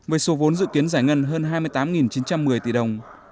với số vốn dự kiến giải ngân hơn hai mươi tám chín trăm một mươi tỷ đồng